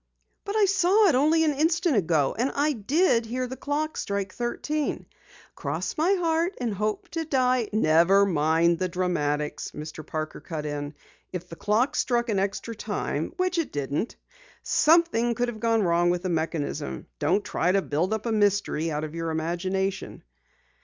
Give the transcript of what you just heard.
"But I saw it only an instant ago! And I did hear the clock strike thirteen. Cross my heart and hope to die " "Never mind the dramatics," Mr. Parker cut in. "If the clock struck an extra time which it didn't something could have gone wrong with the mechanism. Don't try to build up a mystery out of your imagination."